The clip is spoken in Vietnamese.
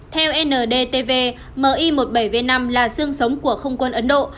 theo ndtv mi một mươi bảy v năm là sương sống của không quân ấn độ